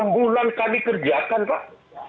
enam bulan kami kerjakan pak